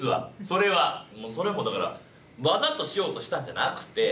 それはもうだからわざとしようとしたんじゃなくて。